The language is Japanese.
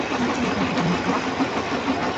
何時に帰ってきますか